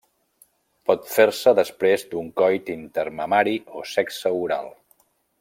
Pot fer-se després d'un coit intermamari o sexe oral.